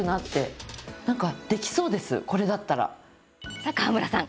さあ、川村さん